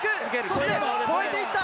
そして越えていった！